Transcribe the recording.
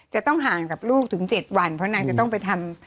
จะต้องห่างกับลูกถึง๗วันเพราะนางจะต้องไปทำ